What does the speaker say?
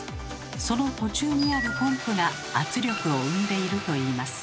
その途中にあるポンプが圧力を生んでいるといいます。